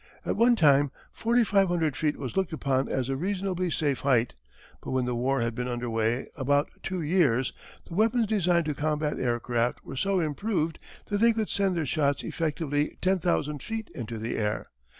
At one time 4500 feet was looked upon as a reasonably safe height, but when the war had been under way about two years the weapons designed to combat aircraft were so improved that they could send their shots effectively 10,000 feet into the air.